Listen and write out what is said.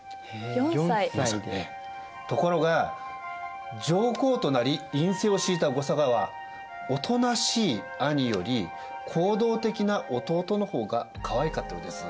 ところが上皇となり院政をしいた後嵯峨はおとなしい兄より行動的な弟の方がかわいかったようです。